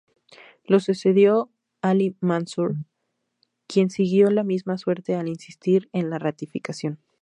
Lo sucedió Ali Mansur, quien siguió la misma suerte al insistir en la ratificación.